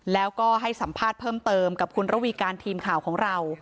แล้วก็ให้สัมภาษณ์เพิ่มเติมกับคุณระวีการทีมข่าวของเรา